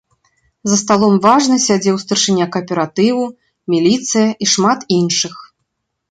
За сталом важна сядзеў старшыня кааператыву, міліцыя і шмат іншых.